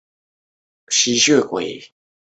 圣玛洛公墓包括围绕中心广场的四个藏骨堂。